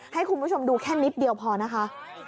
ให้คุณผู้ชมดูแค่นิดเดียวพอนะคะ